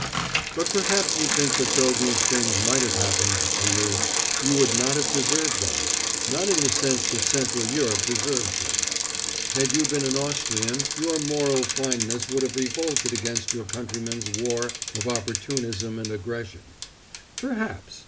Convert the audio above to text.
But perhaps you think that though these things might have happened to you, you would not have deserved them—not in the sense that Central Europe deserves them. Had you been an Austrian your moral fineness would have revolted against your countrymen's war of opportunism and aggression. Perhaps!